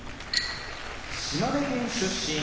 島根県出身